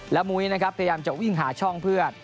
มุ้ยนะครับพยายามจะวิ่งหาช่องเพื่อ